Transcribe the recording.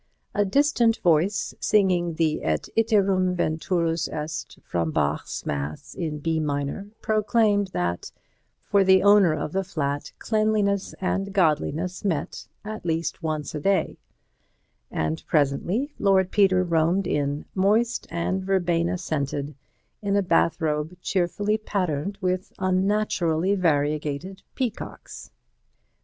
A distant voice singing the "et iterum venturus est" from Bach's Mass in B minor proclaimed that for the owner of the flat cleanliness and godliness met at least once a day, and presently Lord Peter roamed in, moist and verbena scented, in a bathrobe cheerfully patterned with unnaturally variegated peacocks.